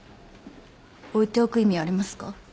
置いておく意味ありますか？